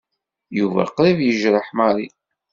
Yuba qrib yejreḥ Mary.